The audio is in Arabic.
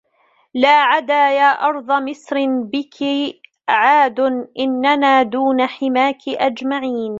لا عَدَا يا أرضَ مِصْرٍ بِك عَاد إنَّنا دُونَ حِمَاكِ أجمعين